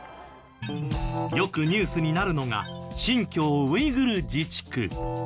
よくニュースになるのが新疆ウイグル自治区。